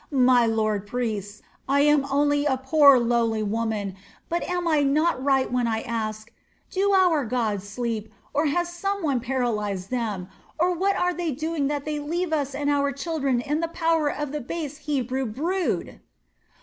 My lord priests, I am only a poor lowly woman, but am I not right when I ask: Do our gods sleep, or has some one paralyzed them, or what are they doing that they leave us and our children in the power of the base Hebrew brood?"